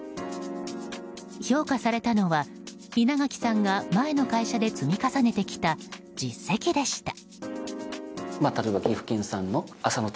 評価されたのは稲垣さんが前の会社で積み重ねてきた実績でした。